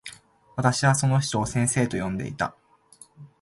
私はその人を先生と呼んでいた。